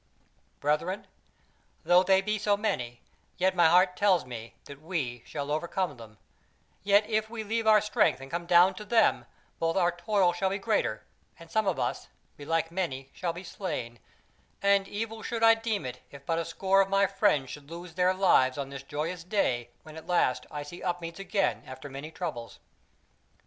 Brethren, though they be so many, yet my heart tells me that we shall overcome them; yet if we leave our strength and come down to them, both our toil shall be greater, and some of us, belike many, shall be slain; and evil should I deem it if but a score of my friends should lose their lives on this joyous day when at last I see Upmeads again after many troubles.